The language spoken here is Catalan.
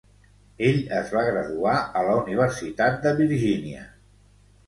Ell es va graduar a la Universitat de Virgínia.